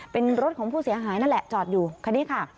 เป็นรถของผู้เสียหายนั่นแหละจอดอยู่คันนี้ค่ะ